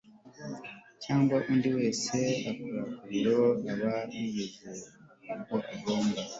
cyangwa undi wese ukora mu biro aba yizewe ko agomba